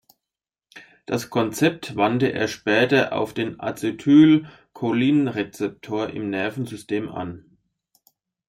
Das Konzept wandte er später auf den Acetylcholin-Rezeptor im Nervensystem an.